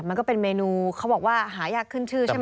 มันก็เป็นเมนูเขาบอกว่าหายากขึ้นชื่อใช่ไหม